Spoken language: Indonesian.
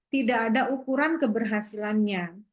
tidak ada ukuran keberhasilannya